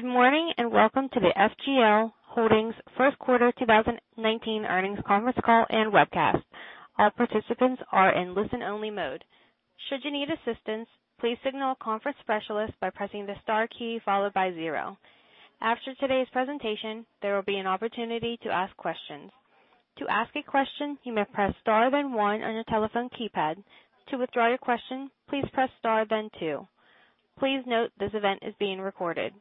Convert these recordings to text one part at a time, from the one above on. Good morning, and welcome to the FGL Holdings first quarter 2019 earnings conference call and webcast. All participants are in listen-only mode. Should you need assistance, please signal a conference specialist by pressing the star key followed by zero. After today's presentation, there will be an opportunity to ask questions. To ask a question, you may press star, then one on your telephone keypad. To withdraw your question, please press star, then two. Please note this event is being recorded.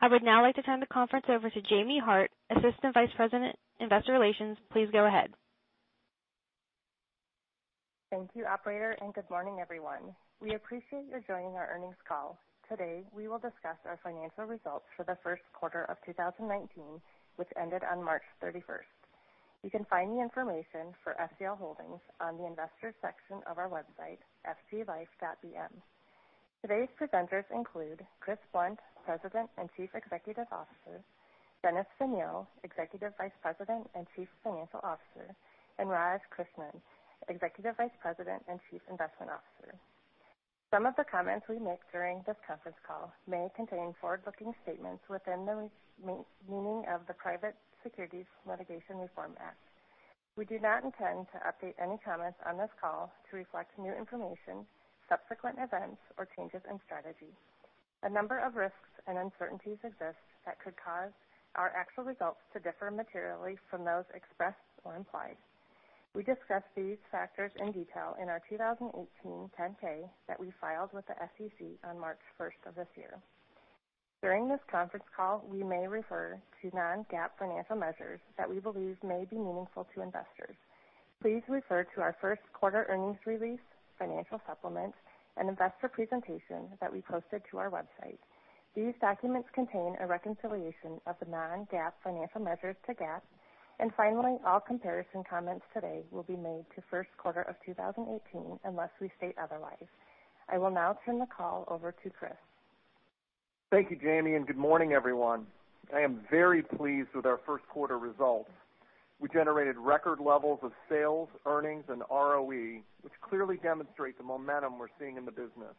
I would now like to turn the conference over to Jaime Hart, Assistant Vice President, Investor Relations. Please go ahead. Thank you, operator, and good morning, everyone. We appreciate you joining our earnings call. Today, we will discuss our financial results for the first quarter of 2019, which ended on March 31st. You can find the information for FGL Holdings on the investor section of our website, fglife.bm. Today's presenters include Chris Blunt, President and Chief Executive Officer, Dennis Vigneau, Executive Vice President and Chief Financial Officer, and Raj Krishnan, Executive Vice President and Chief Investment Officer. Some of the comments we make during this conference call may contain forward-looking statements within the meaning of the Private Securities Litigation Reform Act. We do not intend to update any comments on this call to reflect new information, subsequent events, or changes in strategy. A number of risks and uncertainties exist that could cause our actual results to differ materially from those expressed or implied. We discuss these factors in detail in our 2018 10-K that we filed with the SEC on March 1st of this year. During this conference call, we may refer to non-GAAP financial measures that we believe may be meaningful to investors. Please refer to our first quarter earnings release, financial supplements, and investor presentation that we posted to our website. These documents contain a reconciliation of the non-GAAP financial measures to GAAP. Finally, all comparison comments today will be made to first quarter of 2018 unless we state otherwise. I will now turn the call over to Chris. Thank you, Jaime, and good morning, everyone. I am very pleased with our first quarter results. We generated record levels of sales, earnings, and ROE, which clearly demonstrate the momentum we're seeing in the business.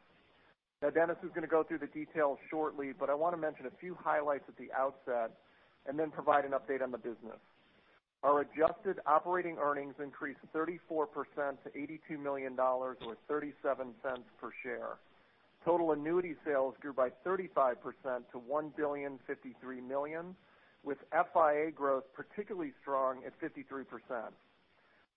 Dennis is going to go through the details shortly, but I want to mention a few highlights at the outset and then provide an update on the business. Our adjusted operating earnings increased 34% to $82 million or $0.37 per share. Total annuity sales grew by 35% to $1 billion, 53 million, with FIA growth particularly strong at 53%.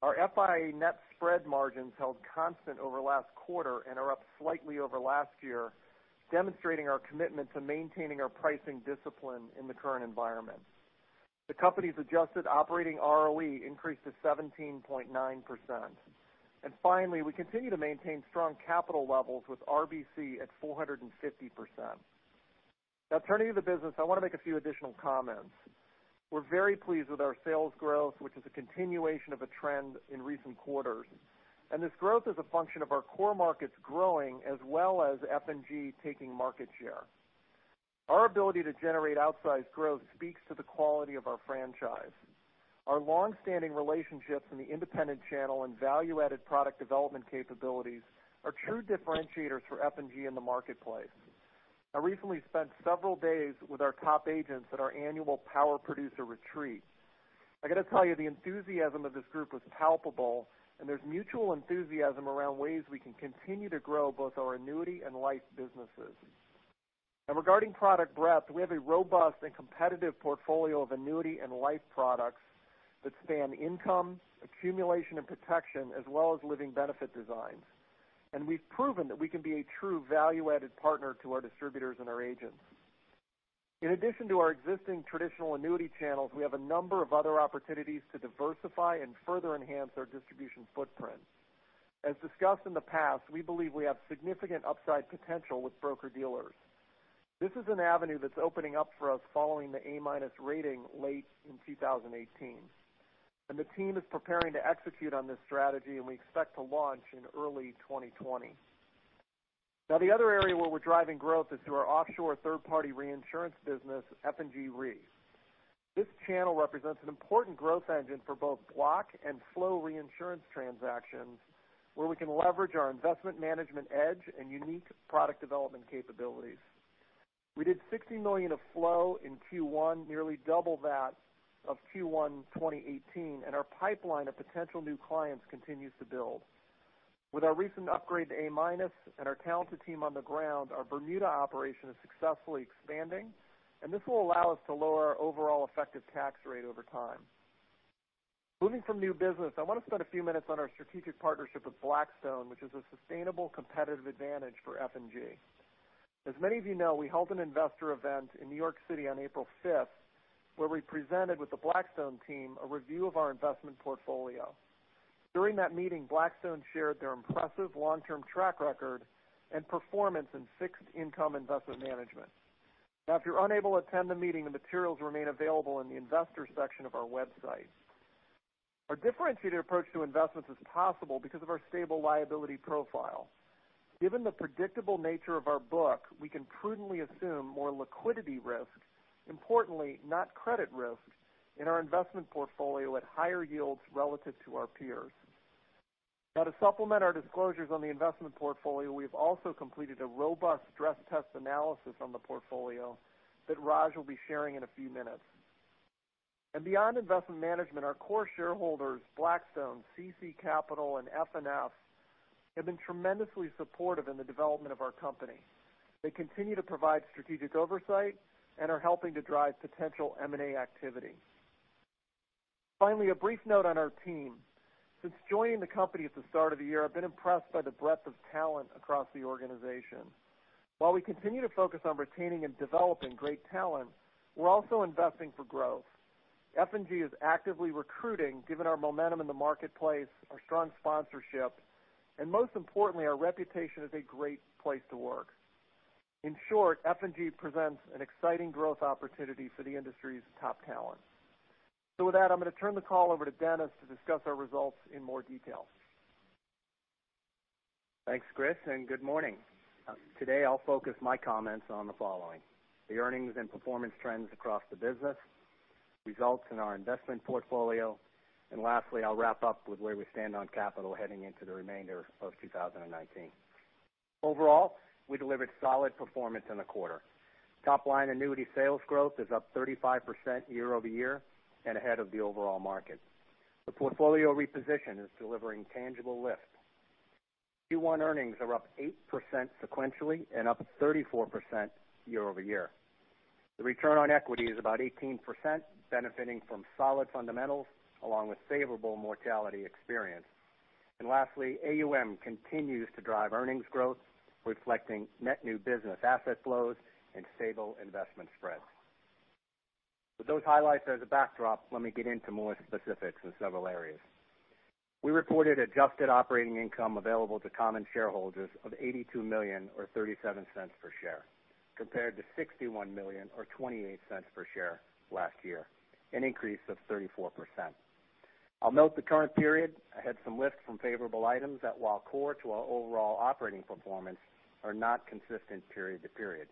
Our FIA net spread margins held constant over last quarter and are up slightly over last year, demonstrating our commitment to maintaining our pricing discipline in the current environment. The company's adjusted operating ROE increased to 17.9%. Finally, we continue to maintain strong capital levels with RBC at 450%. Now turning to the business, I want to make a few additional comments. We're very pleased with our sales growth, which is a continuation of a trend in recent quarters. This growth is a function of our core markets growing as well as F&G taking market share. Our ability to generate outsized growth speaks to the quality of our franchise. Our long-standing relationships in the independent channel and value-added product development capabilities are true differentiators for F&G in the marketplace. I recently spent several days with our top agents at our annual Power Producer Retreat. I got to tell you, the enthusiasm of this group was palpable, and there's mutual enthusiasm around ways we can continue to grow both our annuity and life businesses. Regarding product breadth, we have a robust and competitive portfolio of annuity and life products that span income, accumulation, and protection, as well as living benefit designs. We've proven that we can be a true value-added partner to our distributors and our agents. In addition to our existing traditional annuity channels, we have a number of other opportunities to diversify and further enhance our distribution footprint. As discussed in the past, we believe we have significant upside potential with broker-dealers. This is an avenue that's opening up for us following the A- rating late in 2018. The team is preparing to execute on this strategy, and we expect to launch in early 2020. The other area where we're driving growth is through our offshore third-party reinsurance business, F&G Re. This channel represents an important growth engine for both block and flow reinsurance transactions where we can leverage our investment management edge and unique product development capabilities. We did $60 million of flow in Q1, nearly double that of Q1 2018, and our pipeline of potential new clients continues to build. With our recent upgrade to A- and our talented team on the ground, our Bermuda operation is successfully expanding, and this will allow us to lower our overall effective tax rate over time. Moving from new business, I want to spend a few minutes on our strategic partnership with Blackstone, which is a sustainable competitive advantage for F&G. As many of you know, we held an investor event in New York City on April 5th, where we presented with the Blackstone team a review of our investment portfolio. During that meeting, Blackstone shared their impressive long-term track record and performance in fixed income investment management. If you're unable to attend the meeting, the materials remain available in the investor section of our website. Our differentiated approach to investments is possible because of our stable liability profile. Given the predictable nature of our book, we can prudently assume more liquidity risk, importantly, not credit risk, in our investment portfolio at higher yields relative to our peers. To supplement our disclosures on the investment portfolio, we've also completed a robust stress test analysis on the portfolio that Raj will be sharing in a few minutes. Beyond investment management, our core shareholders, Blackstone, CC Capital, and F&G, have been tremendously supportive in the development of our company. They continue to provide strategic oversight and are helping to drive potential M&A activity. Finally, a brief note on our team. Since joining the company at the start of the year, I have been impressed by the breadth of talent across the organization. While we continue to focus on retaining and developing great talent, we are also investing for growth. F&G is actively recruiting given our momentum in the marketplace, our strong sponsorship, and most importantly, our reputation as a great place to work. In short, F&G presents an exciting growth opportunity for the industry's top talent. With that, I am going to turn the call over to Dennis to discuss our results in more detail. Thanks, Chris, and good morning. Today I will focus my comments on the following: the earnings and performance trends across the business, results in our investment portfolio, and lastly, I will wrap up with where we stand on capital heading into the remainder of 2019. Overall, we delivered solid performance in the quarter. Top-line annuity sales growth is up 35% year-over-year and ahead of the overall market. The portfolio reposition is delivering tangible lift. Q1 earnings are up 8% sequentially and up 34% year-over-year. The return on equity is about 18%, benefiting from solid fundamentals along with favorable mortality experience. Lastly, AUM continues to drive earnings growth, reflecting net new business asset flows and stable investment spreads. With those highlights as a backdrop, let me get into more specifics in several areas. We reported adjusted operating income available to common shareholders of $82 million or $0.37 per share, compared to $61 million or $0.28 per share last year, an increase of 34%. I will note the current period had some lift from favorable items that while core to our overall operating performance, are not consistent period to period.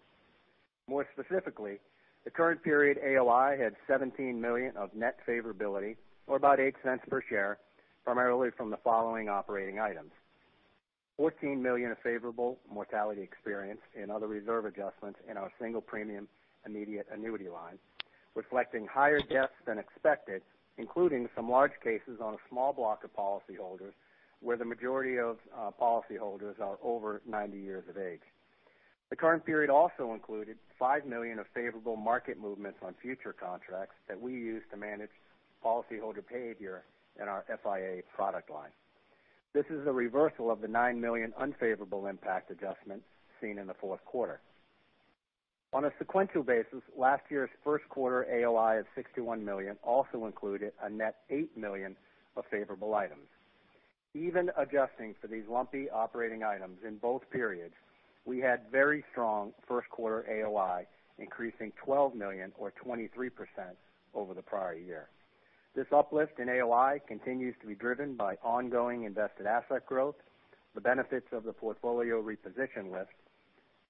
More specifically, the current period AOI had $17 million of net favorability or about $0.08 per share, primarily from the following operating items. $14 million of favorable mortality experience in other reserve adjustments in our single premium immediate annuity line, reflecting higher deaths than expected, including some large cases on a small block of policyholders where the majority of policyholders are over 90 years of age. The current period also included $5 million of favorable market movements on future contracts that we use to manage policyholder behavior in our FIA product line. This is a reversal of the $9 million unfavorable impact adjustment seen in the fourth quarter. On a sequential basis, last year's first quarter AOI of $61 million also included a net $8 million of favorable items. Even adjusting for these lumpy operating items in both periods, we had very strong first quarter AOI, increasing $12 million or 23% over the prior year. This uplift in AOI continues to be driven by ongoing invested asset growth, the benefits of the portfolio reposition lift,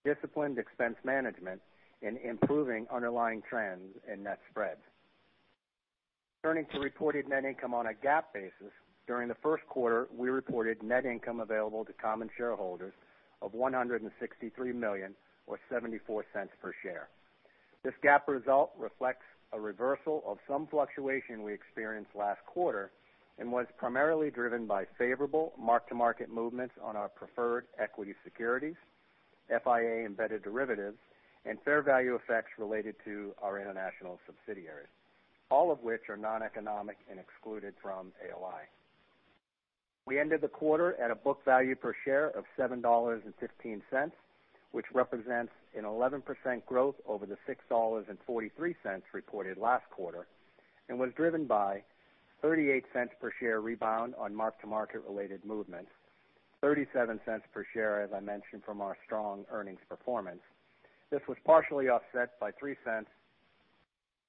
disciplined expense management, and improving underlying trends in net spreads. Turning to reported net income on a GAAP basis, during the first quarter, we reported net income available to common shareholders of $163 million or $0.74 per share. This GAAP result reflects a reversal of some fluctuation we experienced last quarter and was primarily driven by favorable mark-to-market movements on our preferred equity securities, FIA-embedded derivatives, and fair value effects related to our international subsidiaries, all of which are non-economic and excluded from AOI. We ended the quarter at a book value per share of $7.15, which represents an 11% growth over the $6.43 reported last quarter, and was driven by $0.38 per share rebound on mark-to-market related movements, $0.37 per share, as I mentioned, from our strong earnings performance. This was partially offset by $0.03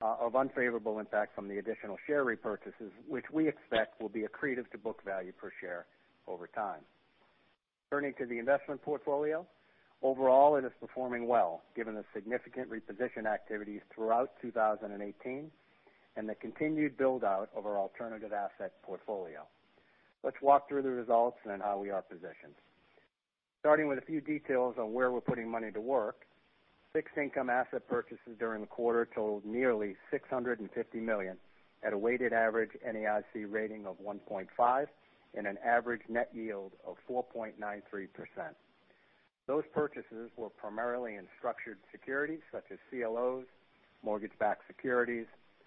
of unfavorable impact from the additional share repurchases, which we expect will be accretive to book value per share over time. Turning to the investment portfolio. Overall, it is performing well given the significant reposition activities throughout 2018 and the continued build-out of our alternative asset portfolio. Let's walk through the results and how we are positioned. Starting with a few details on where we're putting money to work. Fixed income asset purchases during the quarter totaled nearly $650 million at a weighted average NAIC rating of 1.5 and an average net yield of 4.93%. Those purchases were primarily in structured securities such as CLOs, mortgage-backed securities,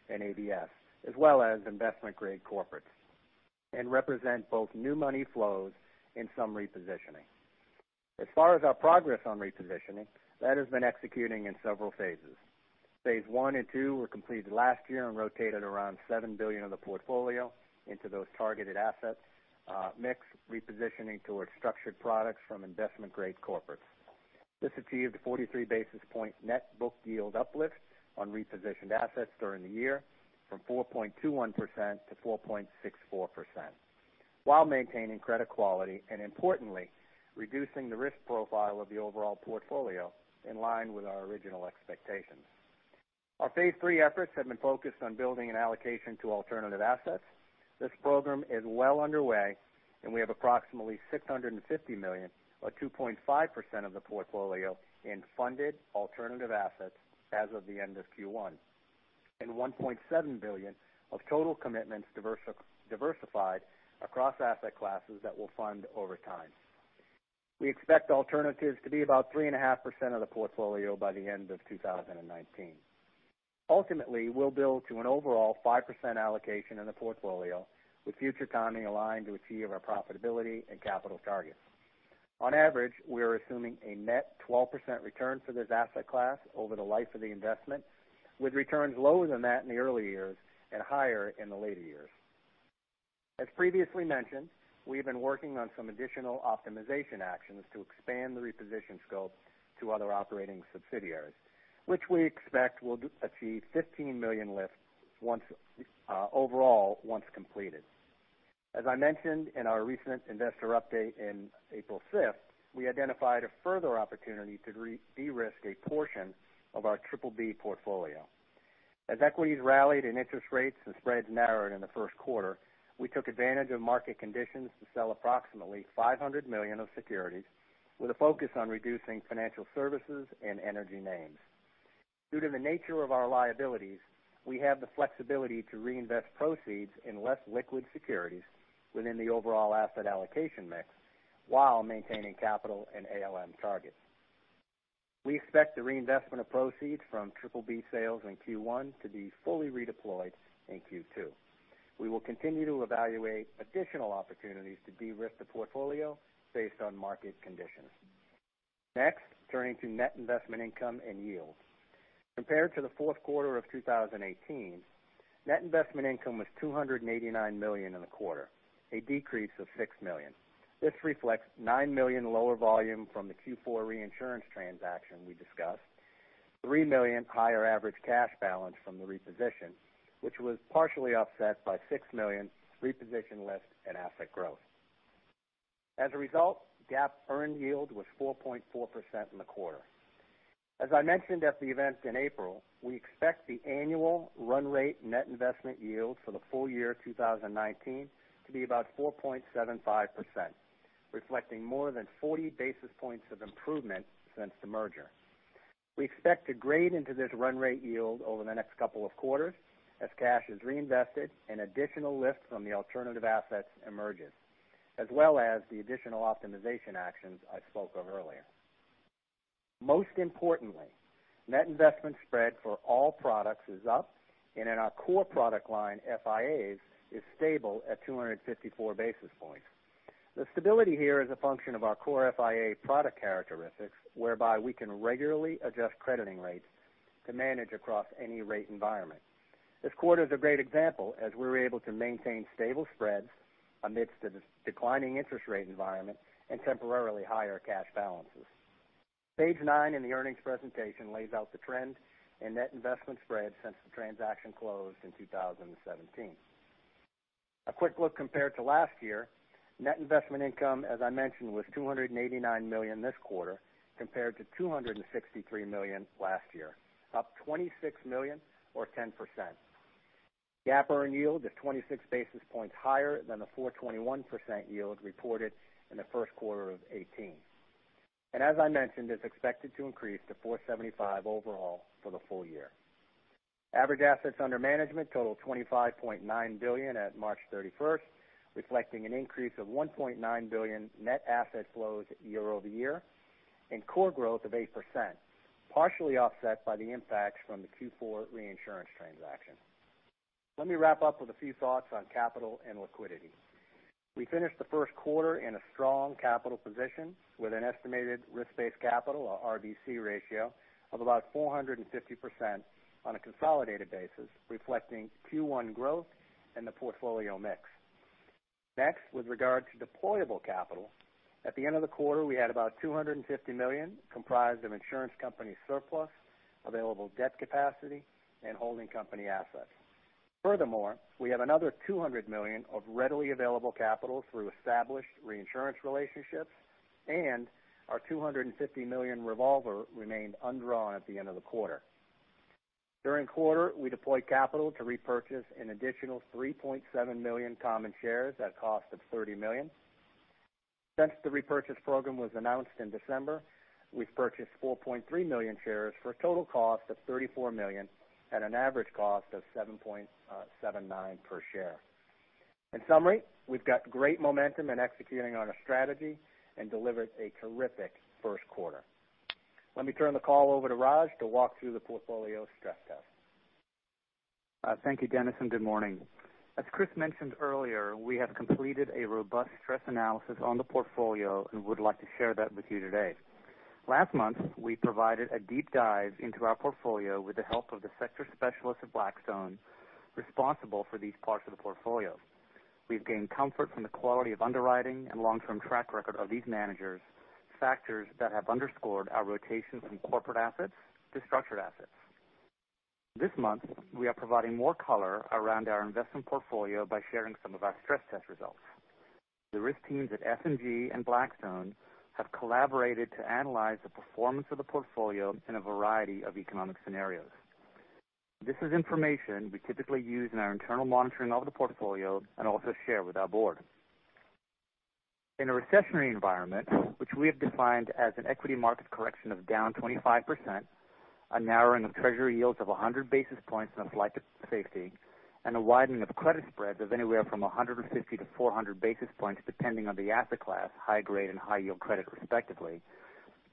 and ABS, as well as investment-grade corporates, and represent both new money flows and some repositioning. As far as our progress on repositioning, that has been executing in several phases. Phase one and two were completed last year and rotated around $7 billion of the portfolio into those targeted assets mix, repositioning towards structured products from investment-grade corporates. This achieved a 43-basis point net book yield uplift on repositioned assets during the year from 4.21% to 4.64%, while maintaining credit quality and importantly, reducing the risk profile of the overall portfolio in line with our original expectations. Our phase three efforts have been focused on building an allocation to alternative assets. This program is well underway, and we have approximately $650 million, or 2.5% of the portfolio in funded alternative assets as of the end of Q1. And $1.7 billion of total commitments diversified across asset classes that we'll fund over time. We expect alternatives to be about 3.5% of the portfolio by the end of 2019. Ultimately, we'll build to an overall 5% allocation in the portfolio with future timing aligned to achieve our profitability and capital targets. On average, we are assuming a net 12% return for this asset class over the life of the investment, with returns lower than that in the early years and higher in the later years. As previously mentioned, we have been working on some additional optimization actions to expand the reposition scope to other operating subsidiaries, which we expect will achieve $15 million lifts overall once completed. As I mentioned in our recent investor update in April 5th, we identified a further opportunity to de-risk a portion of our BBB portfolio. As equities rallied and interest rates and spreads narrowed in the first quarter, we took advantage of market conditions to sell approximately $500 million of securities with a focus on reducing financial services and energy names. Due to the nature of our liabilities, we have the flexibility to reinvest proceeds in less liquid securities within the overall asset allocation mix while maintaining capital and ALM targets. We expect the reinvestment of proceeds from BBB sales in Q1 to be fully redeployed in Q2. We will continue to evaluate additional opportunities to de-risk the portfolio based on market conditions. Next, turning to net investment income and yields. Compared to the fourth quarter of 2018, net investment income was $289 million in the quarter, a decrease of $6 million. This reflects $9 million lower volume from the Q4 reinsurance transaction we discussed, $3 million higher average cash balance from the reposition, which was partially offset by $6 million reposition lift and asset growth. As a result, GAAP earned yield was 4.4% in the quarter. As I mentioned at the event in April, we expect the annual run rate net investment yield for the full year 2019 to be about 4.75%, reflecting more than 40 basis points of improvement since the merger. We expect to grade into this run-rate yield over the next couple of quarters as cash is reinvested and additional lift from the alternative assets emerges, as well as the additional optimization actions I spoke of earlier. Most importantly, net investment spread for all products is up, and in our core product line, FIAs is stable at 254 basis points. The stability here is a function of our core FIA product characteristics, whereby we can regularly adjust crediting rates to manage across any rate environment. This quarter's a great example, as we were able to maintain stable spreads amidst the declining interest rate environment and temporarily higher cash balances. Page nine in the earnings presentation lays out the trend in net investment spread since the transaction closed in 2017. A quick look compared to last year, net investment income, as I mentioned, was $289 million this quarter, compared to $263 million last year, up $26 million or 10%. GAAP earned yield is 26 basis points higher than the 4.21% yield reported in the first quarter of 2018. As I mentioned, it's expected to increase to 4.75% overall for the full year. Average assets under management total $25.9 billion at March 31st, reflecting an increase of $1.9 billion net asset flows year-over-year, and core growth of 8%, partially offset by the impacts from the Q4 reinsurance transaction. Let me wrap up with a few thoughts on capital and liquidity. We finished the first quarter in a strong capital position with an estimated RBC ratio of about 450% on a consolidated basis, reflecting Q1 growth and the portfolio mix. Next, with regard to deployable capital, at the end of the quarter, we had about $250 million comprised of insurance company surplus, available debt capacity, and holding company assets. Furthermore, we have another $200 million of readily available capital through established reinsurance relationships, and our $250 million revolver remained undrawn at the end of the quarter. During the quarter, we deployed capital to repurchase an additional 3.7 million common shares at a cost of $30 million. Since the repurchase program was announced in December, we've purchased 4.3 million shares for a total cost of $34 million at an average cost of $7.79 per share. In summary, we've got great momentum in executing on our strategy and delivered a terrific first quarter. Let me turn the call over to Raj to walk through the portfolio stress test. Thank you, Dennis, and good morning. As Chris mentioned earlier, we have completed a robust stress analysis on the portfolio and would like to share that with you today. Last month, we provided a deep dive into our portfolio with the help of the sector specialists at Blackstone responsible for these parts of the portfolio. We've gained comfort from the quality of underwriting and long-term track record of these managers, factors that have underscored our rotations from corporate assets to structured assets. This month, we are providing more color around our investment portfolio by sharing some of our stress test results. The risk teams at F&G and Blackstone have collaborated to analyze the performance of the portfolio in a variety of economic scenarios. This is information we typically use in our internal monitoring of the portfolio and also share with our board. In a recessionary environment, which we have defined as an equity market correction of down 25%, a narrowing of Treasury yields of 100 basis points in a flight to safety, and a widening of credit spreads of anywhere from 150-400 basis points, depending on the asset class, high grade and high yield credit, respectively.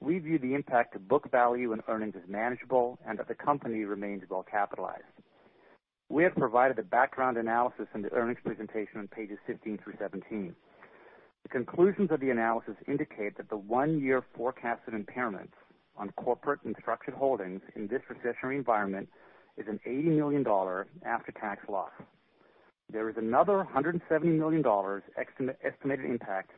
We view the impact to book value and earnings as manageable and that the company remains well capitalized. We have provided the background analysis in the earnings presentation on pages 15-17. The conclusions of the analysis indicate that the one-year forecasted impairments on corporate and structured holdings in this recessionary environment is an $80 million after-tax loss. There is another $170 million estimated impact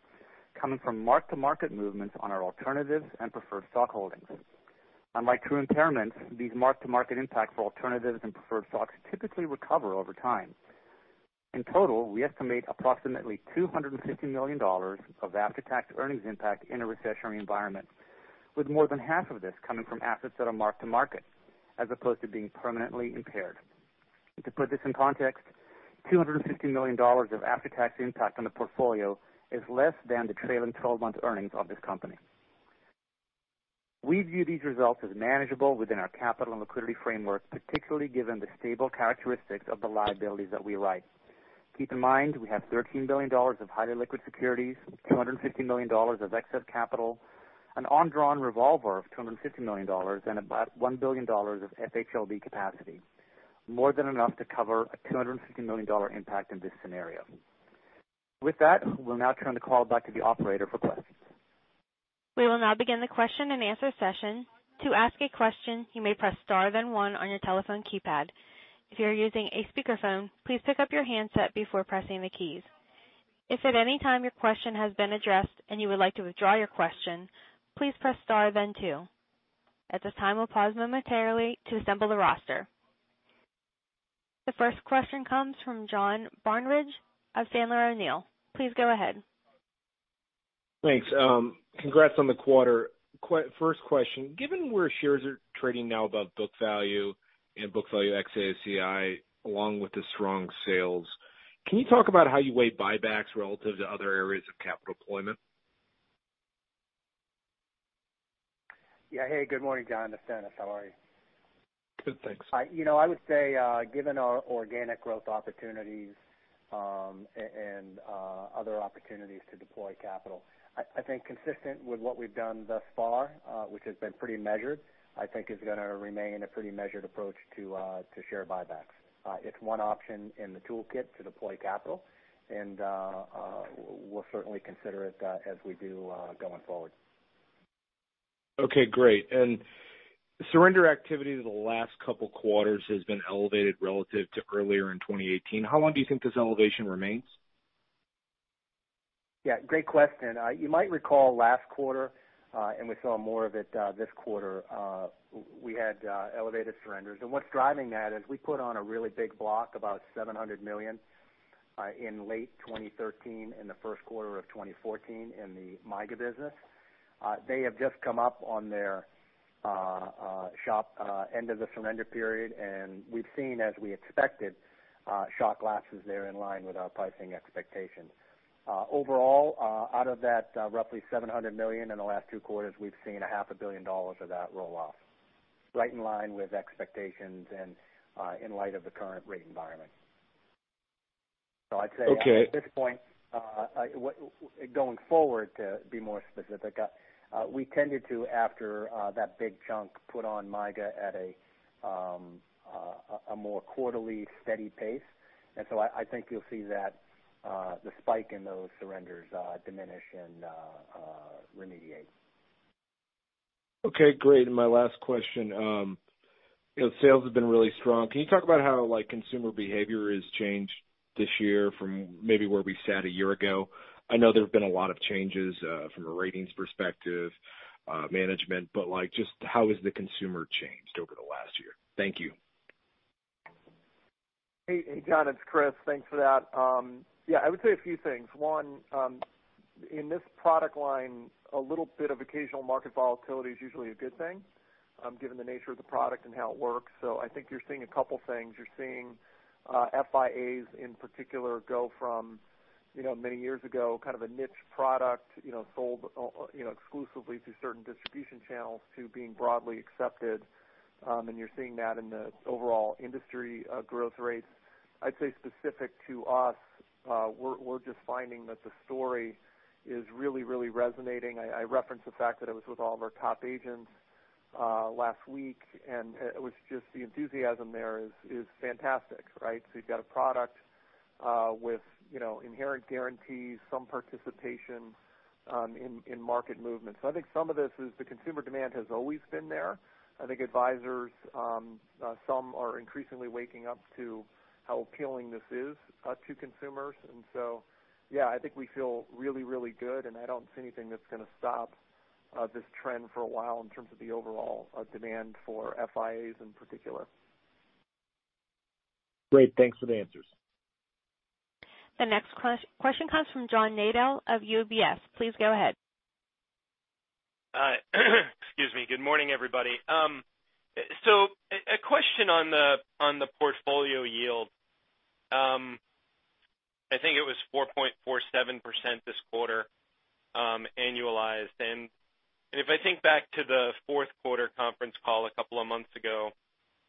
coming from mark-to-market movements on our alternatives and preferred stock holdings. Unlike true impairments, these mark-to-market impacts for alternatives and preferred stocks typically recover over time. In total, we estimate approximately $250 million of after-tax earnings impact in a recessionary environment, with more than half of this coming from assets that are mark-to-market as opposed to being permanently impaired. To put this in context, $250 million of after-tax impact on the portfolio is less than the trailing 12-month earnings of this company. We view these results as manageable within our capital and liquidity framework, particularly given the stable characteristics of the liabilities that we write. Keep in mind, we have $13 billion of highly liquid securities, $250 million of excess capital, an undrawn revolver of $250 million, and about $1 billion of FHLB capacity, more than enough to cover a $250 million impact in this scenario. With that, we'll now turn the call back to the operator for questions. We will now begin the question and answer session. To ask a question, you may press star then one on your telephone keypad. If you are using a speakerphone, please pick up your handset before pressing the keys. If at any time your question has been addressed and you would like to withdraw your question, please press star then two. At this time, we'll pause momentarily to assemble the roster. The first question comes from John Barnidge of Sandler O'Neill. Please go ahead. Thanks. Congrats on the quarter. First question, given where shares are trading now above book value and book value ex AOCI, along with the strong sales, can you talk about how you weigh buybacks relative to other areas of capital deployment? Yeah. Hey, good morning, John. It's Dennis. How are you? Good, thanks. I would say, given our organic growth opportunities and other opportunities to deploy capital. I think consistent with what we've done thus far which has been pretty measured, I think is going to remain a pretty measured approach to share buybacks. It's one option in the toolkit to deploy capital, and we'll certainly consider it as we do going forward. Okay, great. Surrender activity in the last couple quarters has been elevated relative to earlier in 2018. How long do you think this elevation remains? Yeah, great question. You might recall last quarter, and we saw more of it this quarter, we had elevated surrenders. What's driving that is we put on a really big block, about $700 million, in late 2013 and the first quarter of 2014 in the MYGA business. They have just come up on their shock end of the surrender period, and we've seen, as we expected, shock losses there in line with our pricing expectations. Overall, out of that roughly $700 million in the last two quarters, we've seen a half a billion dollars of that roll off. Right in line with expectations and in light of the current rate environment. I'd say. Okay At this point going forward, to be more specific, we tended to, after that big chunk, put on MYGA at a more quarterly steady pace. I think you'll see that the spike in those surrenders diminish and remediate. Okay, great. My last question. Sales have been really strong. Can you talk about how consumer behavior has changed this year from maybe where we sat a year ago? I know there have been a lot of changes from a ratings perspective, management, just how has the consumer changed over the last year? Thank you. Hey, John, it's Chris. Thanks for that. Yeah, I would say a few things. One, in this product line, a little bit of occasional market volatility is usually a good thing given the nature of the product and how it works. I think you're seeing a couple things. You're seeing FIAs in particular go from many years ago, kind of a niche product sold exclusively through certain distribution channels to being broadly accepted. You're seeing that in the overall industry growth rates. I'd say specific to us, we're just finding that the story is really resonating. I referenced the fact that I was with all of our top agents last week, it was just the enthusiasm there is fantastic. You've got a product with inherent guarantees, some participation in market movements. I think some of this is the consumer demand has always been there. I think advisors some are increasingly waking up to how appealing this is to consumers. Yeah, I think we feel really good, and I don't see anything that's going to stop this trend for a while in terms of the overall demand for FIAs in particular. Great. Thanks for the answers. The next question comes from John Nadel of UBS. Please go ahead. Excuse me. Good morning, everybody. A question on the portfolio yield. I think it was 4.47% this quarter, annualized. If I think back to the fourth quarter conference call a couple of months ago,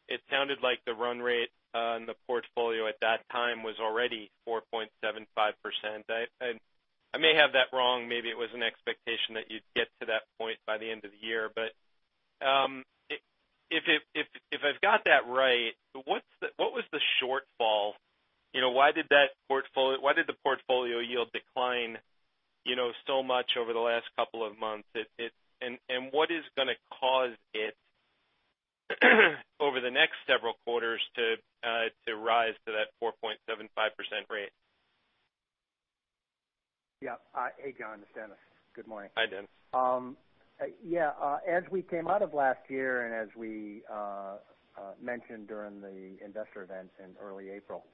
it sounded like the run rate on the portfolio at that time was already 4.75%. I may have that wrong. Maybe it was an expectation that you'd get to that point by the end of the year. If I've got that right, what was the shortfall? Why did the portfolio yield decline so much over the last couple of months? What is going to cause it over the next several quarters to rise to that 4.75% rate? Yeah. Hey, John, it's Dennis. Good morning. Hi, Dennis. Yeah. As we came out of last year, as we mentioned during the investor event in early April,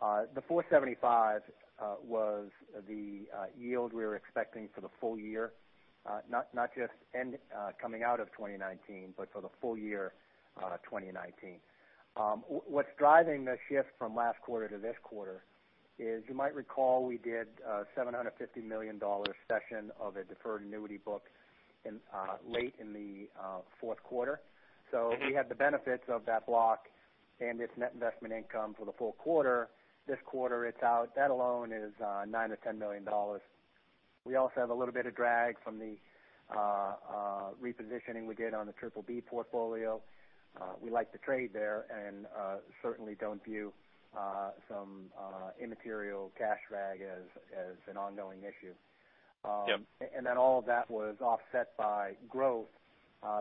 the 4.75% was the yield we were expecting for the full year. Not just coming out of 2019, but for the full year 2019. What's driving the shift from last quarter to this quarter is, you might recall, we did a $750 million cession of a deferred annuity book late in the fourth quarter. We had the benefits of that block and its net investment income for the full quarter. This quarter, it's out. That alone is $9 million to $10 million. We also have a little bit of drag from the repositioning we did on the BBB portfolio. We like to trade there and certainly don't view some immaterial cash drag as an ongoing issue. Yep. All of that was offset by growth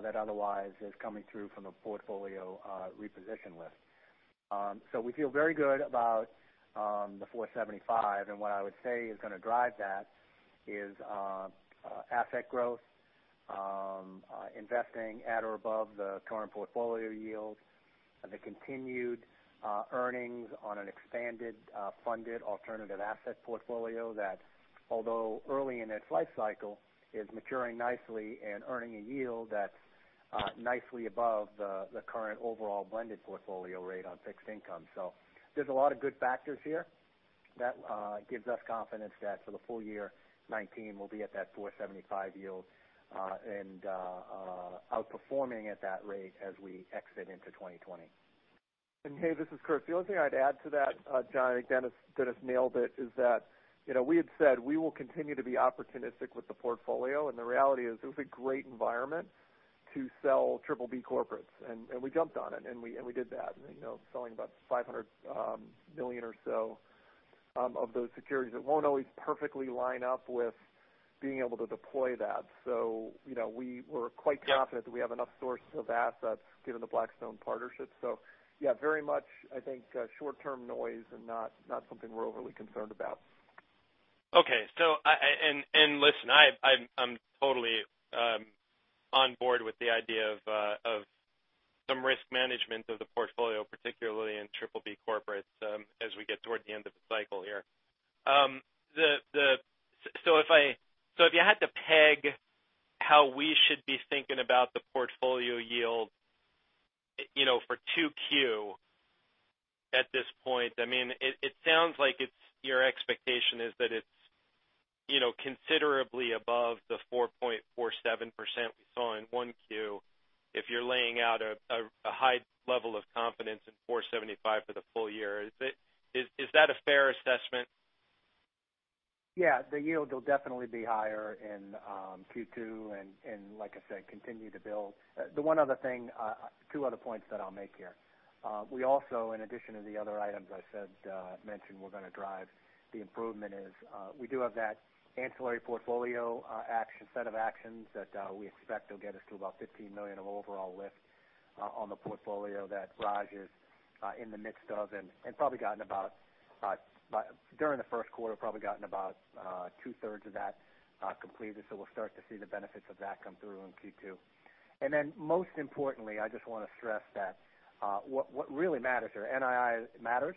that otherwise is coming through from a portfolio reposition lift. We feel very good about the 4.75%. What I would say is going to drive that is asset growth, investing at or above the current portfolio yield, the continued earnings on an expanded, funded alternative asset portfolio that, although early in its life cycle, is maturing nicely and earning a yield that's nicely above the current overall blended portfolio rate on fixed income. There's a lot of good factors here that gives us confidence that for the full year 2019, we'll be at that 4.75% yield, outperforming at that rate as we exit into 2020. Hey, this is Krish. The only thing I'd add to that, John, again, Dennis nailed it, is that we had said we will continue to be opportunistic with the portfolio. The reality is it was a great environment to sell BBB corporates, we jumped on it, and we did that. Selling about $500 million or so of those securities. It won't always perfectly line up with being able to deploy that. We're quite confident that we have enough sources of assets given the Blackstone partnership. Yeah, very much, I think short-term noise and not something we're overly concerned about. Okay. Listen, I'm totally on board with the idea of some risk management of the portfolio, particularly in BBB corporates, as we get toward the end of the cycle here. If you had to peg how we should be thinking about the portfolio yield for 2Q at this point, it sounds like your expectation is that it's considerably above the 4.47% we saw in 1Q, if you're laying out a high level of confidence in 4.75% for the full year. Is that a fair assessment? Yeah, the yield will definitely be higher in Q2, and like I said, continue to build. Two other points that I'll make here. We also, in addition to the other items I mentioned we're going to drive the improvement is we do have that ancillary portfolio set of actions that we expect will get us to about $15 million of overall lift on the portfolio that Raj is in the midst of, and during the first quarter, probably gotten about two-thirds of that completed. We'll start to see the benefits of that come through in Q2. Most importantly, I just want to stress that what really matters here, NII matters.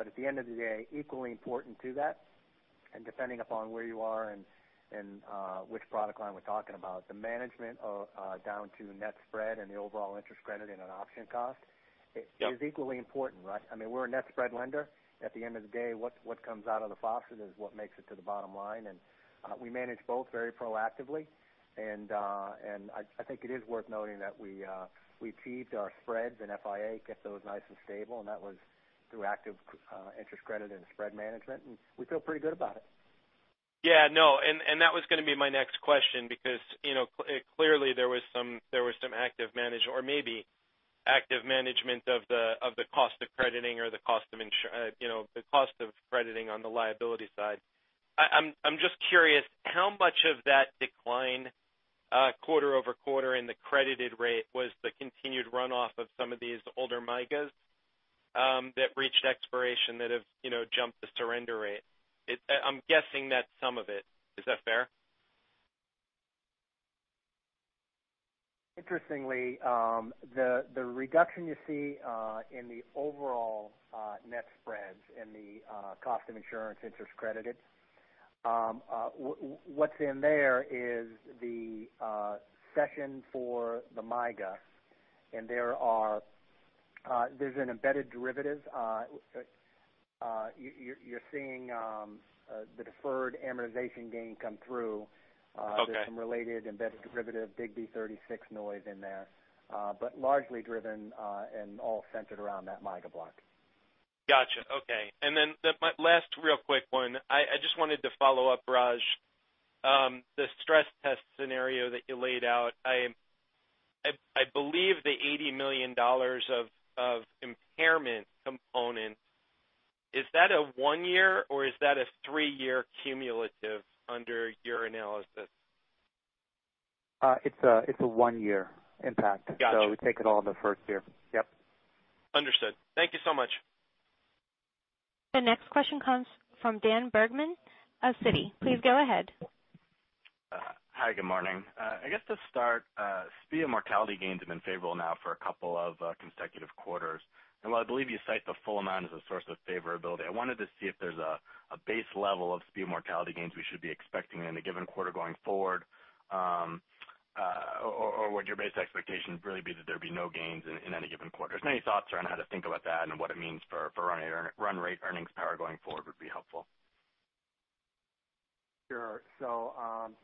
At the end of the day, equally important to that, and depending upon where you are and which product line we're talking about, the management down to net spread and the overall interest credit and option cost is equally important, right? We're a net spread lender. At the end of the day, what comes out of the faucet is what makes it to the bottom line. We manage both very proactively. I think it is worth noting that we peaked our spreads in FIA, get those nice and stable. That was through active interest credit and spread management. We feel pretty good about it. Yeah, no, that was going to be my next question because clearly there was some active management of the cost of crediting on the liability side. I'm just curious, how much of that decline quarter-over-quarter in the credited rate was the continued runoff of some of these older MYGAs that reached expiration that have jumped the surrender rate? I'm guessing that's some of it. Is that fair? Interestingly, the reduction you see in the overall net spreads in the cost of insurance interest credited, what's in there is the cession for the MYGA, there's an embedded derivative. You're seeing the deferred amortization gain come through. Okay. There's some related embedded derivative, DIG B36 noise in there. Largely driven and all centered around that MYGA block. Got you. Okay. Then my last real quick one, I just wanted to follow up, Raj. The stress test scenario that you laid out, I believe the $80 million of impairment component, is that a one year or is that a three-year cumulative under your analysis? It's a one-year impact. Got you. We take it all in the first year. Yep. Understood. Thank you so much. The next question comes from Dan Bergman of Citi. Please go ahead. Hi, good morning. I guess to start, SPIA mortality gains have been favorable now for a couple of consecutive quarters. While I believe you cite the full amount as a source of favorability, I wanted to see if there's a base level of SPIA mortality gains we should be expecting in a given quarter going forward. Would your base expectation really be that there'd be no gains in any given quarter? Any thoughts around how to think about that and what it means for run rate earnings power going forward would be helpful. Sure.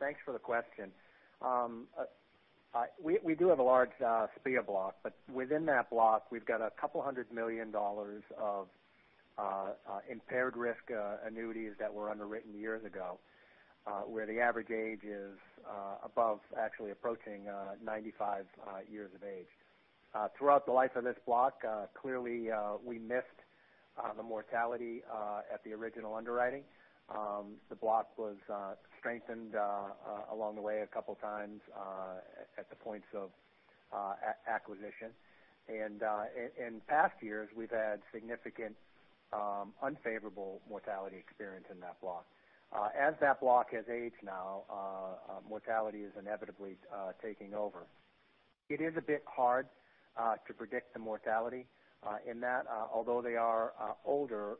Thanks for the question. We do have a large SPIA block, but within that block, we've got a couple hundred million dollars of impaired risk annuities that were underwritten years ago, where the average age is above, actually approaching 95 years of age. Throughout the life of this block, clearly, we missed the mortality at the original underwriting. The block was strengthened along the way a couple times at the points of acquisition. In past years, we've had significant unfavorable mortality experience in that block. As that block has aged now, mortality is inevitably taking over. It is a bit hard to predict the mortality in that although they are older,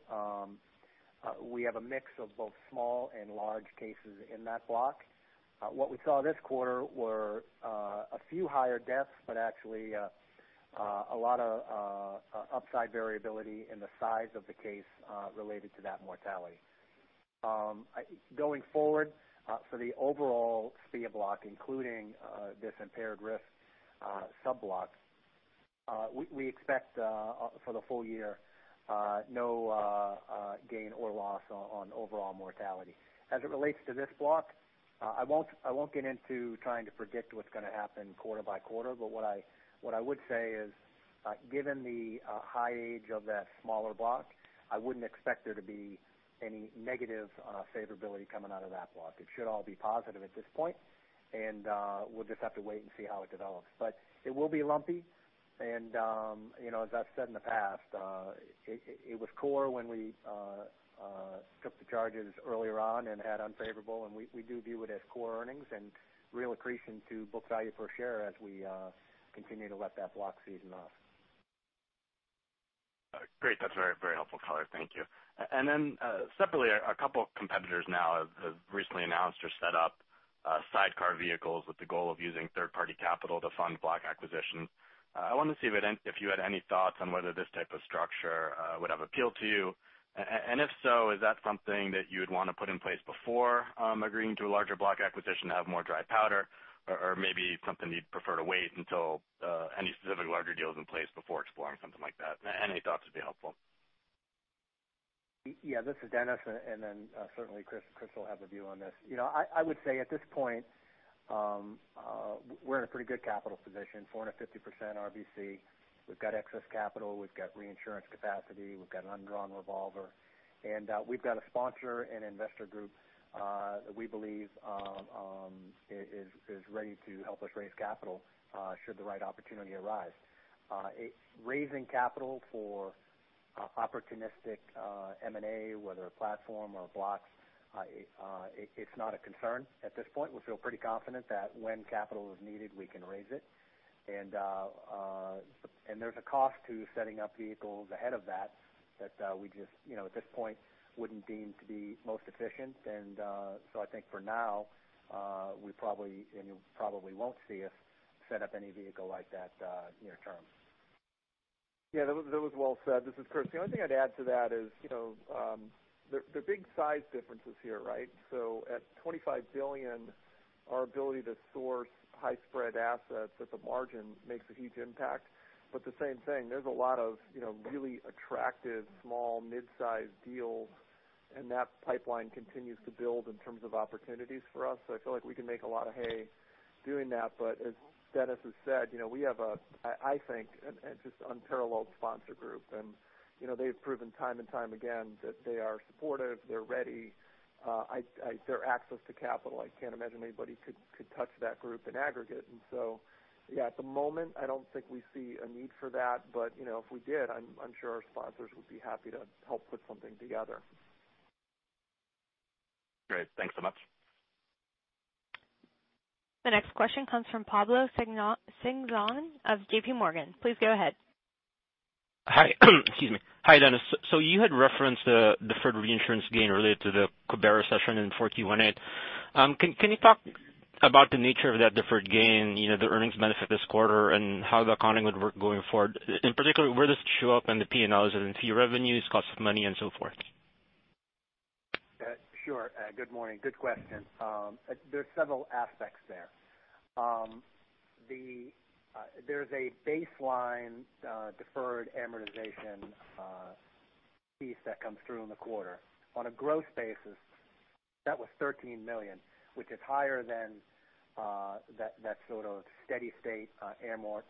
we have a mix of both small and large cases in that block. What we saw this quarter were a few higher deaths, but actually a lot of upside variability in the size of the case related to that mortality. Going forward, for the overall SPIA block, including this impaired risk sub-block, we expect for the full year, no gain or loss on overall mortality. As it relates to this block, I won't get into trying to predict what's going to happen quarter by quarter, but what I would say is, given the high age of that smaller block, I wouldn't expect there to be any negative favorability coming out of that block. It should all be positive at this point, we'll just have to wait and see how it develops. It will be lumpy, as I've said in the past, it was core when we took the charges earlier on and had unfavorable, we do view it as core earnings and real accretion to book value per share as we continue to let that block season off. Great. That's very helpful color. Thank you. Separately, a couple competitors now have recently announced or set up sidecar vehicles with the goal of using third-party capital to fund block acquisitions. I wanted to see if you had any thoughts on whether this type of structure would have appeal to you. If so, is that something that you would want to put in place before agreeing to a larger block acquisition to have more dry powder, or maybe something you'd prefer to wait until any specific larger deal is in place before exploring something like that? Any thoughts would be helpful. This is Dennis. Certainly Chris will have a view on this. I would say at this point, we're in a pretty good capital position, 450% RBC. We've got excess capital. We've got reinsurance capacity. We've got an undrawn revolver. We've got a sponsor and investor group that we believe is ready to help us raise capital should the right opportunity arise. Raising capital for opportunistic M&A, whether a platform or a block, it's not a concern at this point. We feel pretty confident that when capital is needed, we can raise it. There's a cost to setting up vehicles ahead of that we just, at this point, wouldn't deem to be most efficient. I think for now, you probably won't see us set up any vehicle like that near term. That was well said. This is Chris. The only thing I'd add to that is, there are big size differences here, right? At $25 billion, our ability to source high spread assets at the margin makes a huge impact. The same thing, there's a lot of really attractive small, mid-size deals, and that pipeline continues to build in terms of opportunities for us. I feel like we can make a lot of hay doing that. As Dennis has said, we have, I think, just unparalleled sponsor group. They've proven time and time again that they are supportive, they're ready. Their access to capital, I can't imagine anybody could touch that group in aggregate. At the moment, I don't think we see a need for that. If we did, I'm sure our sponsors would be happy to help put something together. Great. Thanks so much. The next question comes from Pablo Singzon of J.P. Morgan. Please go ahead. Hi. Excuse me. Hi, Dennis. You had referenced the deferred reinsurance gain related to the cession in Q4 '18. Can you talk about the nature of that deferred gain, the earnings benefit this quarter, and how the accounting would work going forward? In particular, where does it show up in the P&L, fee revenues, cost of money, and so forth? Sure. Good morning. Good question. There's several aspects there. There's a baseline deferred amortization piece that comes through in the quarter. On a gross basis, that was $13 million, which is higher than that sort of steady state amort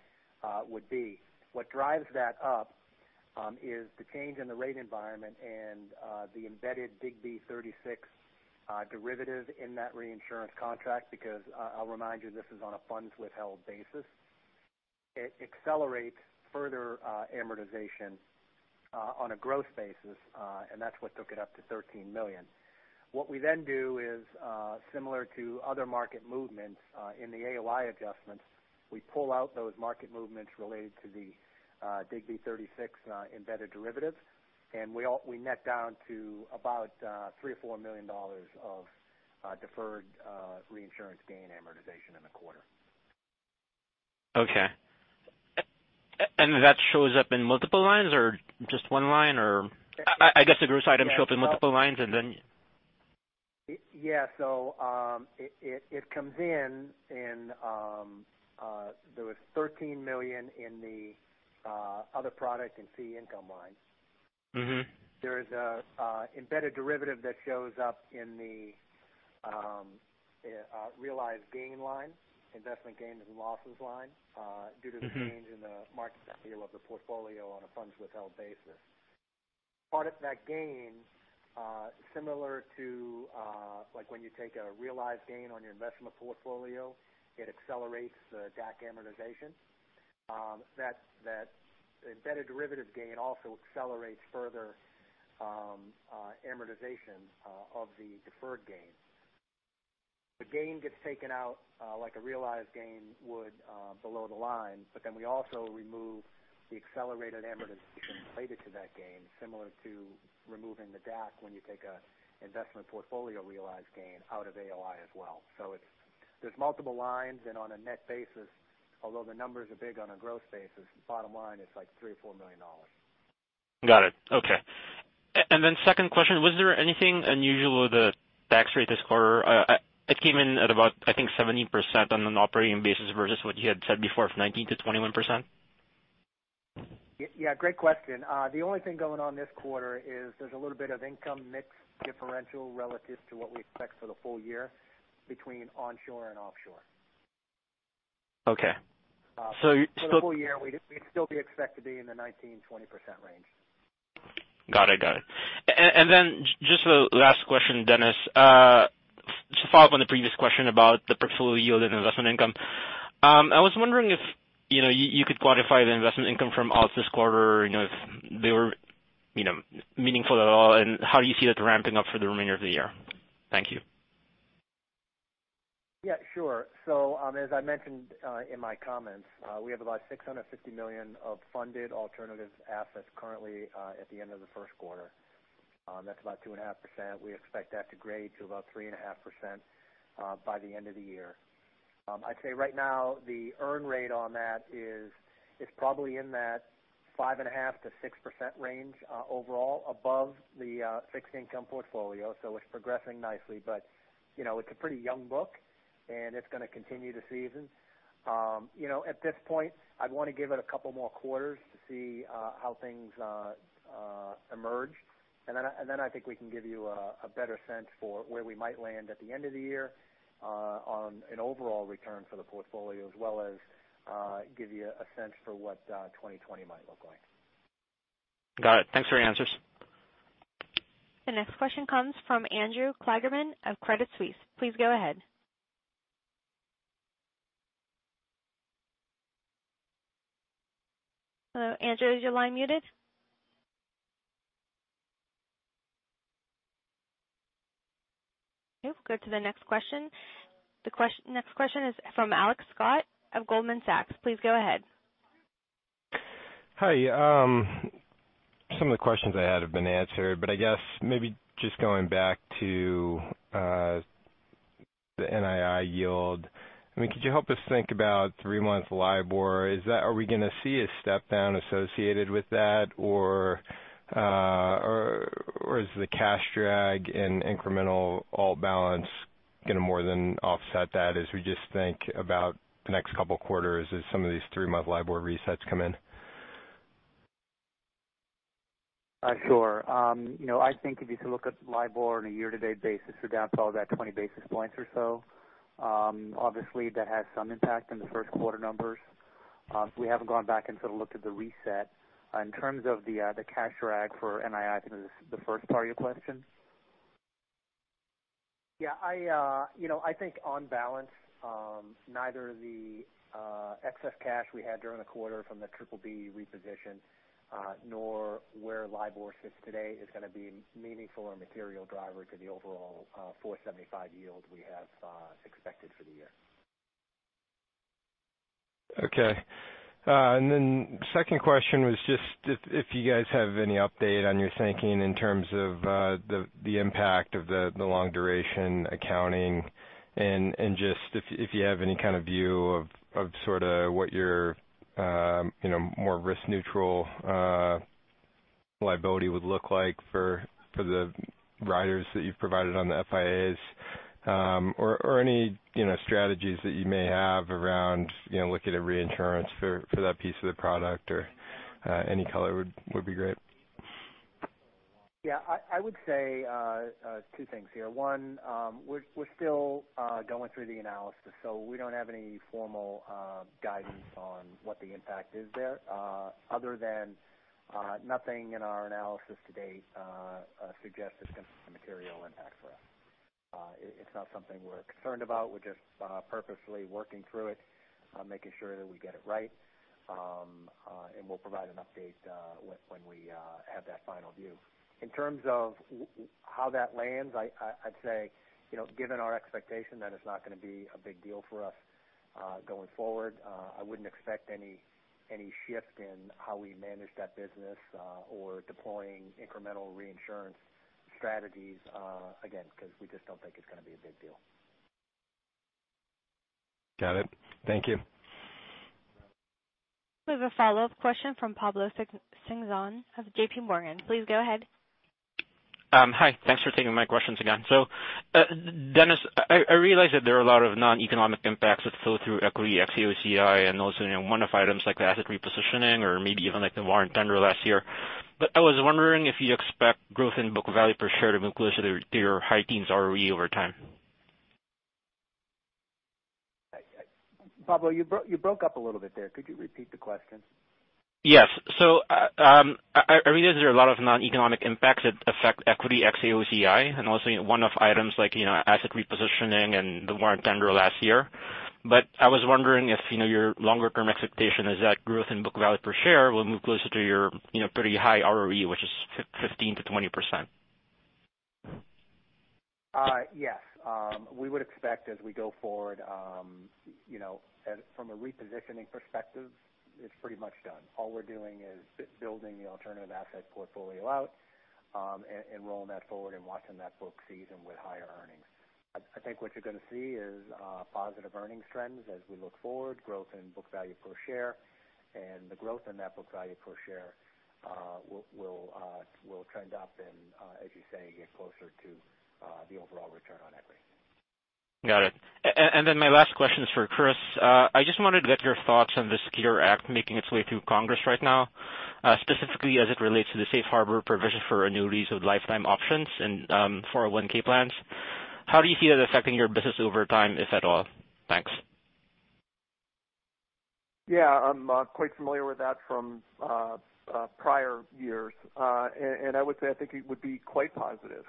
would be. What drives that up is the change in the rate environment and the embedded DIG B36 derivative in that reinsurance contract, because I'll remind you, this is on a funds withheld basis. It accelerates further amortization on a gross basis. That's what took it up to $13 million. What we then do is, similar to other market movements in the AOI adjustments, we pull out those market movements related to the DIG B36 embedded derivative, and we net down to about $3 million or $4 million of deferred reinsurance gain amortization in the quarter. Okay. That shows up in multiple lines or just one line? I guess the gross items show up in multiple lines, and then Yeah, there was $13 million in the other product and fee income lines. There is an embedded derivative that shows up in the realized gain line, investment gains and losses line. Due to the change in the market value of the portfolio on a funds withheld basis. Part of that gain, similar to when you take a realized gain on your investment portfolio, it accelerates the DAC amortization. That embedded derivative gain also accelerates further amortization of the deferred gain. We also remove the accelerated amortization related to that gain, similar to removing the DAC when you take an investment portfolio realized gain out of AOI as well. There's multiple lines, and on a net basis, although the numbers are big on a growth basis, bottom line, it's like $3 million or $4 million. Got it. Okay. Second question, was there anything unusual with the tax rate this quarter? It came in at about, I think, 17% on an operating basis versus what you had said before of 19%-21%. Yeah, great question. The only thing going on this quarter is there's a little bit of income mix differential relative to what we expect for the full year between onshore and offshore. Okay. For the full year, we'd still be expect to be in the 19%-20% range. Got it. Just a last question, Dennis. To follow up on the previous question about the portfolio yield and investment income. I was wondering if you could quantify the investment income from ALTs this quarter, if they were meaningful at all, and how do you see that ramping up for the remainder of the year? Thank you. Yeah, sure. As I mentioned in my comments, we have about $650 million of funded alternative assets currently at the end of the first quarter. That's about 2.5%. We expect that to grade to about 3.5% by the end of the year. I'd say right now the earn rate on that is probably in that 5.5%-6% range overall above the fixed income portfolio. It's progressing nicely, but it's a pretty young book, and it's going to continue to season. At this point, I'd want to give it a couple more quarters to see how things emerge. I think we can give you a better sense for where we might land at the end of the year on an overall return for the portfolio as well as give you a sense for what 2020 might look like. Got it. Thanks for your answers. The next question comes from Andrew Kligerman of Credit Suisse. Please go ahead. Hello, Andrew, is your line muted? We'll go to the next question. The next question is from Alex Scott of Goldman Sachs. Please go ahead. Hi. I guess maybe just going back to the NII yield. Could you help us think about three-month LIBOR? Is the cash drag in incremental overall balance going to more than offset that as we just think about the next couple quarters as some of these three-month LIBOR resets come in? Sure. I think if you look at LIBOR on a year-to-date basis, we're down probably about 20 basis points or so. Obviously, that had some impact on the first quarter numbers. We haven't gone back and sort of looked at the reset. In terms of the cash drag for NII, I think this is the first part of your question. Yeah, I think on balance, neither the excess cash we had during the quarter from the BBB reposition nor where LIBOR sits today is going to be a meaningful or material driver to the overall 475 yield we have expected for the year. Okay. Second question was just if you guys have any update on your thinking in terms of the impact of the long duration accounting and just if you have any kind of view of sort of what your more risk-neutral liability would look like for the riders that you've provided on the FIAs. Any strategies that you may have around looking at reinsurance for that piece of the product or any color would be great. Yeah. I would say two things here. One, we're still going through the analysis, we don't have any formal guidance on what the impact is there other than nothing in our analysis to date suggests it's going to be a material impact for us. It's not something we're concerned about. We're just purposefully working through it, making sure that we get it right. We'll provide an update when we have that final view. In terms of how that lands, I'd say, given our expectation that it's not going to be a big deal for us going forward, I wouldn't expect any shift in how we manage that business or deploying incremental reinsurance strategies, again, because we just don't think it's going to be a big deal. Got it. Thank you. We have a follow-up question from Pablo Singzon of J.P. Morgan. Please go ahead. Hi. Thanks for taking my questions again. Dennis, I realize that there are a lot of non-economic impacts with flow through equity ex AOCI and also one-off items like asset repositioning or maybe even like the warrant tender last year. I was wondering if you expect growth in book value per share to move closer to your high teens ROE over time. Pablo, you broke up a little bit there. Could you repeat the question? Yes. I realize there are a lot of non-economic impacts that affect equity ex AOCI and also one-off items like asset repositioning and the warrant tender last year. I was wondering if your longer-term expectation is that growth in book value per share will move closer to your pretty high ROE, which is 15%-20%. Yes. We would expect as we go forward from a repositioning perspective, it's pretty much done. All we're doing is building the alternative asset portfolio out and rolling that forward and watching that book season with higher earnings. I think what you're going to see is positive earnings trends as we look forward, growth in book value per share, and the growth in that book value per share will trend up and, as you say, get closer to the overall return on equity. Got it. My last question is for Chris. I just wanted to get your thoughts on the SECURE Act making its way through Congress right now specifically as it relates to the safe harbor provision for annuities with lifetime options and 401 plans. How do you see that affecting your business over time, if at all? Thanks. Yeah. I'm quite familiar with that from prior years. I would say I think it would be quite positive.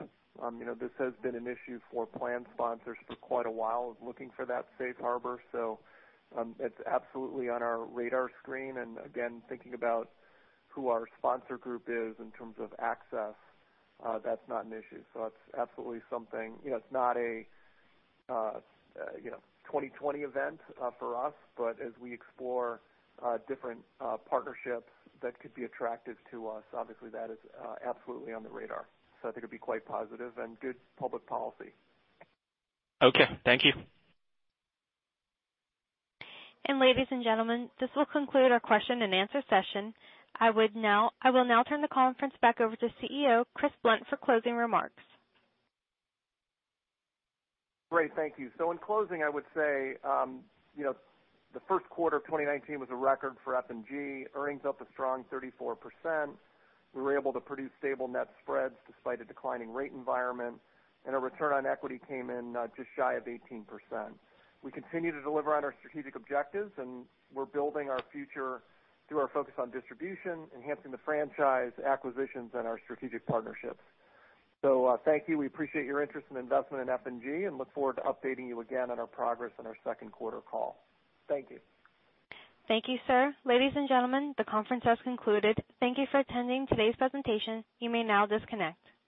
This has been an issue for plan sponsors for quite a while, is looking for that safe harbor. It's absolutely on our radar screen, again, thinking about who our sponsor group is in terms of access, that's not an issue. It's absolutely something. It's not a 2020 event for us, but as we explore different partnerships that could be attractive to us, obviously that is absolutely on the radar. I think it'd be quite positive and good public policy. Okay. Thank you. Ladies and gentlemen, this will conclude our question-and-answer session. I will now turn the conference back over to CEO Chris Blunt for closing remarks. Great. Thank you. In closing, I would say the first quarter of 2019 was a record for F&G, earnings up a strong 34%. We were able to produce stable net spreads despite a declining rate environment, our return on equity came in just shy of 18%. We continue to deliver on our strategic objectives, we're building our future through our focus on distribution, enhancing the franchise acquisitions, and our strategic partnerships. Thank you. We appreciate your interest and investment in F&G and look forward to updating you again on our progress on our second quarter call. Thank you. Thank you, sir. Ladies and gentlemen, the conference has concluded. Thank you for attending today's presentation. You may now disconnect.